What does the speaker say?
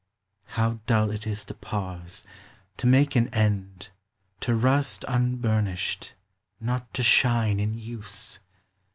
How dull it is to pause, to make an end, LABOR AM) REST. 4'27 To rust unburnished, not to shine in use